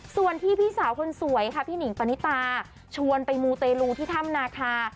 ส่วนที่พี่สาวคนสวยค่ะพี่หนิงปณิตาชวนไปมูเตลูที่ถ้ำนาคา